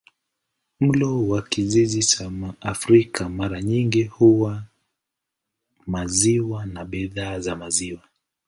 Mlo wa kijiji cha Afrika mara nyingi huwa maziwa na bidhaa za maziwa.